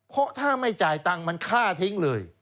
เพราะถ้าไม่จ่ายตังค์มันฆ่าทิ้งเลย